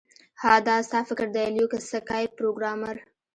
ها دا ستا فکر دی لیوک سکای پروګرامر